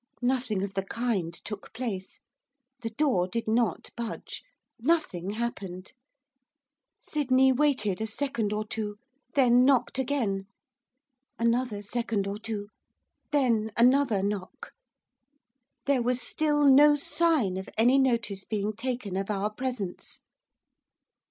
Nothing of the kind took place; the door did not budge, nothing happened. Sydney waited a second or two, then knocked again; another second or two, then another knock. There was still no sign of any notice being taken of our presence.